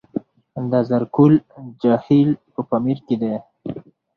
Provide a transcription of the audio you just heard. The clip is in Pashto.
د زرکول جهیل په پامیر کې دی